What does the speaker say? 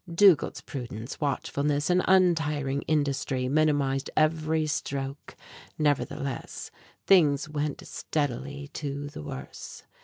Dugald's prudence, watchfulness, and untiring industry minimized every stroke; nevertheless, things went steadily to the worse.